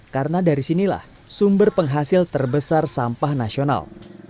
karena dari sinilah sumber penghasil terbesar sampah nasional